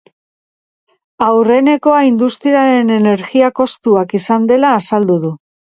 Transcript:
Aurrenekoa industriaren energia kostuak izan dela azaldu du.